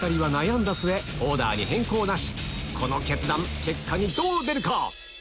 悩んだ末この決断結果にどう出るか？